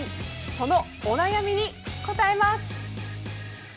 そのお悩みに答えます！